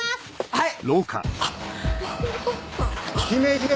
はい！